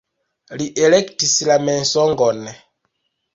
Li elektis la mensogon.